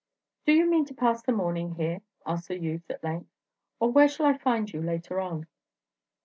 "Do you mean to pass the morning here?" asks the youth, at length, "or where shall I find you later on?"